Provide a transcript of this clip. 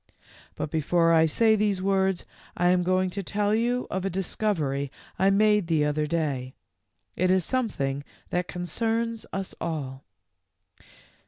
But before I say these words I am going to tell you of a discovery I made the other day. It is something that concerns us all."